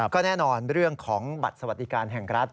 ก็แน่นอนเรื่องของบัตรสวัสดิการแห่งรัฐ